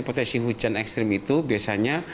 potensi hujan ekstrim itu biasanya